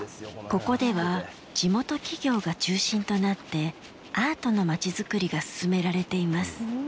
ここでは地元企業が中心となって、アートの街づくりが進められています。